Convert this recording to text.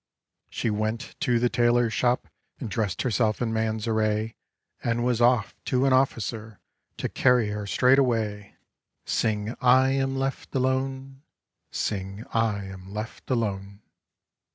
She went to the tailor's shop And dressed herself in man's array, And was off to an officer To carry her straight away. Sing I am left alone, Sing I am left alone.